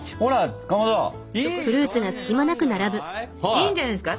いいんじゃないですか。